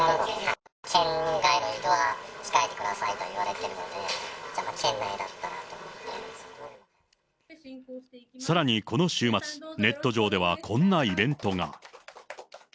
県外への移動は控えてくださいと言われているので、県内だったらさらにこの週末、ネット上ではこんなイベントが。